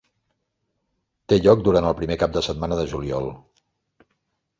Té lloc durant el primer cap de setmana de juliol.